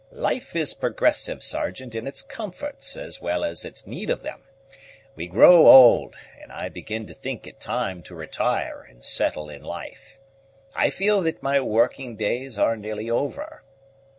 "Life is progressive, Sergeant, in its comforts as well as in its need of them. We grow old, and I begin to think it time to retire and settle in life. I feel that my working days are nearly over."